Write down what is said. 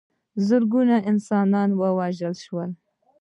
زرګونه انسانان ووژل شول.